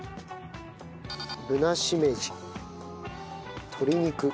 ぶなしめじ鶏肉。